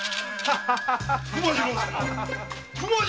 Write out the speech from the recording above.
熊次郎様！